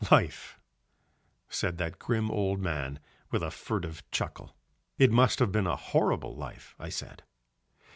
"Life," said that grim old man with a furtive chuckle. "It must have been a horrible life," I said.